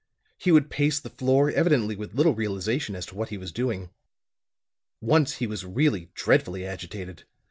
He would pace the floor, evidently with little realization as to what he was doing. Once he was really dreadfully agitated.